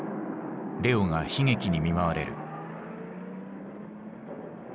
レオが悲劇に見舞われる。